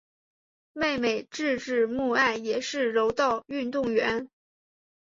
妹妹志志目爱也是柔道运动员。